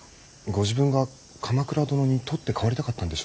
ご自分が鎌倉殿に取って代わりたかったんでしょうか。